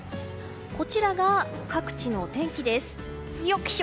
こちらが各地の天気です。